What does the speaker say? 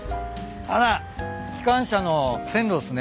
あら機関車の線路っすね。